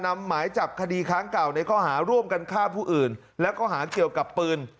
หมายจับคดีค้างเก่าในข้อหาร่วมกันฆ่าผู้อื่นแล้วก็หาเกี่ยวกับปืน